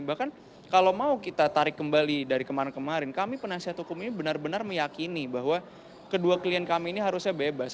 bahkan kalau mau kita tarik kembali dari kemarin kemarin kami penasihat hukum ini benar benar meyakini bahwa kedua klien kami ini harusnya bebas